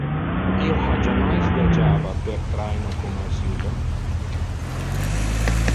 Io ha jammais viagiava per traino, como es illo?